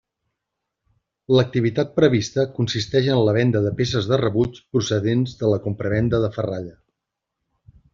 L'activitat prevista consisteix en la venda de peces de rebuig procedents de la compravenda de ferralla.